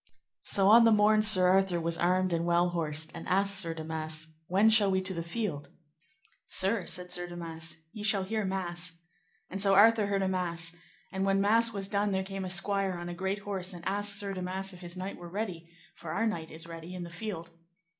So on the morn Sir Arthur was armed and well horsed, and asked Sir Damas, When shall we to the field? Sir, said Sir Damas, ye shall hear mass. And so Arthur heard a mass, and when mass was done there came a squire on a great horse, and asked Sir Damas if his knight were ready, for our knight is ready in the field.